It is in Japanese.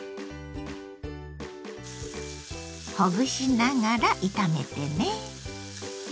ほぐしながら炒めてね。